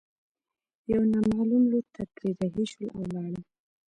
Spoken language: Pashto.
يوه نامعلوم لور ته ترې رهي شول او ولاړل.